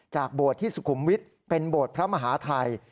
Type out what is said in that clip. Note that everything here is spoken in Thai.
โบสถ์ที่สุขุมวิทย์เป็นโบสถ์พระมหาทัย